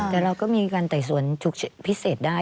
แต่เราก็มีการไต่สวนพิเศษได้